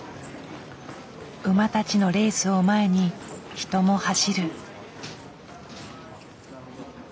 馬たちのレースを前に人も走る。